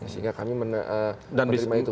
sehingga kami menerima itu